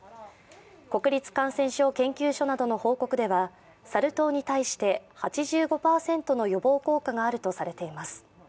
国立感染症研究所などの報告ではサル痘に対して８５％の予防効果があるとされています。